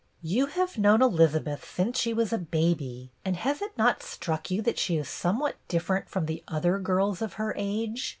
"You have known Elizabeth since she was a baby, and has it not struck you that she is somewhat different from the other girls of her age